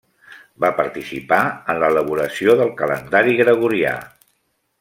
Va participar en l'elaboració del calendari gregorià.